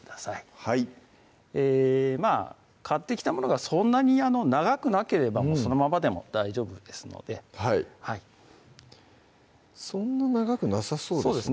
はい買ってきたものがそんなに長くなければそのままでも大丈夫ですのではいそんな長くなさそうですねそうですね